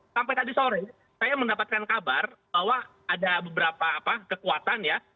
sampai tadi sore saya mendapatkan kabar bahwa ada beberapa kekuatan ya